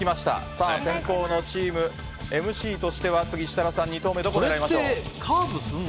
さあ、先攻のチームＭＣとしては次、設楽さん２投目どこ狙いましょう。